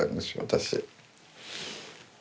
私。